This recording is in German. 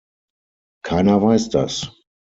Keiner weiß das.